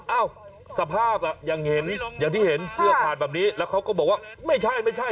เอ้าสภาพแบบเห็นงี้